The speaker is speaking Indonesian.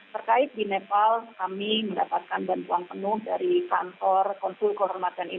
terkait di nepal kami mendapatkan bantuan penuh dari kantor konsul kehormatan